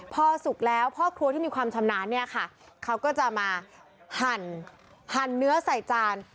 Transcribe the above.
พอสุกแล้วพ่อครัวที่มีความชำนาญเนี่ยค่ะเขาก็จะมาหั่นเนื้อใส่จาน